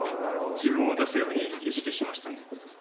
自分を出すように意識しましたね。